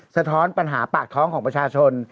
สะท้อนปัญหาปากท้องของประชาชน